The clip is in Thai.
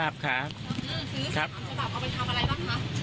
เอาไปทำอะไรบ้างคะ